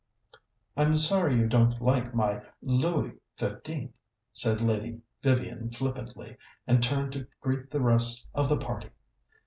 "I'm sorry you don't like my Louis XV.," said Lady Vivian flippantly, and turned to greet the rest of the party.